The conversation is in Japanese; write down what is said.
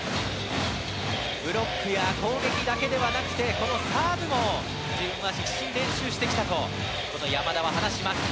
ブロックや攻撃だけではなくてサーブも必死に練習してきたと山田は話します。